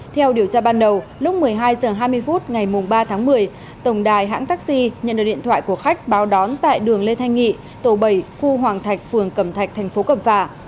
theo điều tra ban đầu lúc một mươi hai h hai mươi phút ngày ba tháng một mươi tổng đài hãng taxi nhận được điện thoại của khách báo đón tại đường lê thanh nghị tổ bảy khu hoàng thạch phường cẩm thạch thành phố cẩm phả